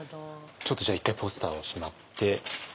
ちょっとじゃあ一回ポスターをしまって。